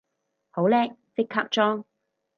好叻，即刻裝